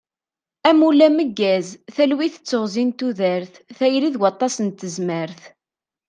Amulli ameggaz, talwit d teɣzi n tudert, tayri d waṭas n tezmert.